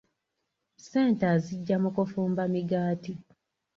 Ssente aziggya mu kufumba migaati.